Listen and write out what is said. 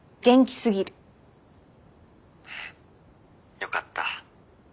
よかった。